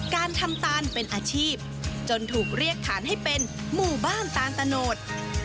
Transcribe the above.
การทำตานเป็นอาชีพจนถูกเรียกฐานให้เป็นหมู่บ้านตานตะโนธ